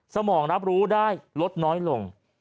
สมองรับรู้ได้ลดน้อยลง